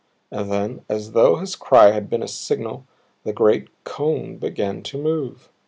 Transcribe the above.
And then, as though his cry had been a signal, the great cone began to move.